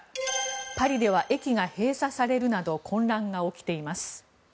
パリでは駅が閉鎖されるなど混乱が起きています。